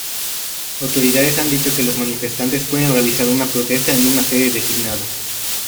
Autoridades han dicho que los manifestantes pueden realizar una protesta en una sede designada.